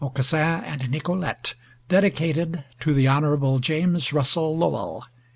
uk AUCASSIN AND NICOLETE Dedicated to the Hon. James Russell Lowell.